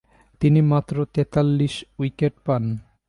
তিনি মাত্র তেতাল্লিশ উইকেট পান।